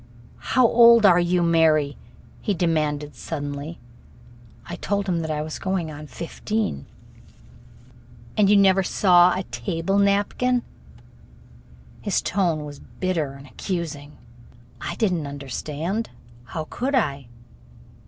"How old are you, Mary?" he demanded suddenly. I told him that I was going on fifteen. "And you never saw a table napkin?" His tone was bitter and accusing. I did n't understand how could I?